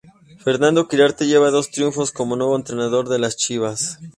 Fernando Quirarte lleva dos triunfos como nuevo entrenador de las Chivas.